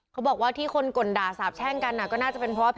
เขาบอกว่าที่คนก่นด่าสาบแช่งกันก็น่าจะเป็นเพราะ